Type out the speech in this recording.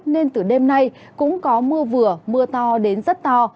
nên từ đêm nay cũng có mưa vừa mưa to đến rất to